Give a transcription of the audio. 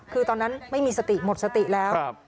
คือตอนนั้นไม่มีสติหมดสติแล้ว